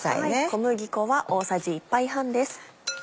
小麦粉は大さじ１杯半です。